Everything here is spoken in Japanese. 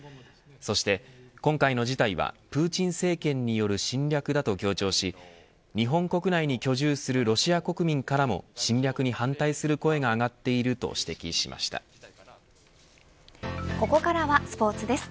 そして今回の事態はプーチン政権による侵略だと強調し日本国内に居住するロシア国民からも侵略に反対する声が上がっているとここからはスポーツです。